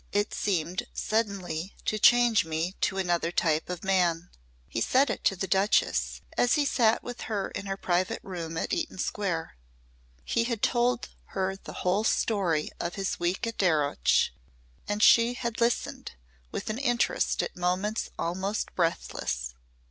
It seemed suddenly to change me to another type of man." He said it to the Duchess as he sat with her in her private room at Eaton Square. He had told her the whole story of his week at Darreuch and she had listened with an interest at moments almost breathless.